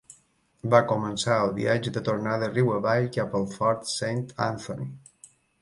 Va començar el viatge de tornada riu avall cap al Fort Saint Anthony.